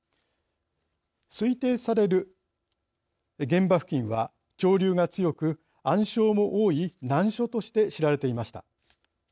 推定される現場付近は潮流が強く暗礁も多い難所として知られていました。